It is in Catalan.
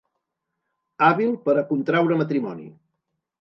Hàbil per a contraure matrimoni.